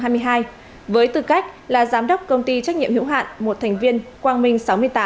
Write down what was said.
và hai nghìn hai mươi hai với tư cách là giám đốc công ty trách nhiệm hữu hạn một thành viên quang minh sáu mươi tám